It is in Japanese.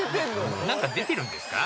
何か出てるんですか？